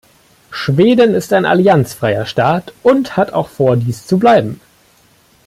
Schweden ist ein allianzfreier Staat und hat auch vor, dies zu bleiben.